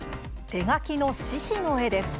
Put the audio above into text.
手描きの獅子の絵です。